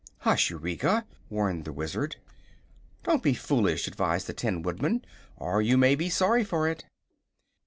"Hush, Eureka!" warned the Wizard. "Don't be foolish," advised the Tin Woodman, "or you may be sorry for it."